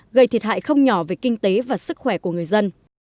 gây thiệt hại không nhỏ về kinh tế và sức khỏe của người dân